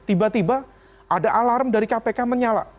tiba tiba ada alarm dari kpk menyala